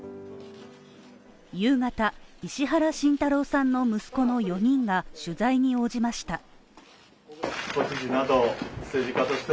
夕方、石原慎太郎さんの息子の４人が取材に応じました。